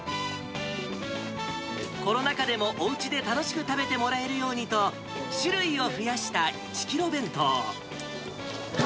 コロナ禍でもおうちで楽しく食べてもらえるようにと、種類を増や重い。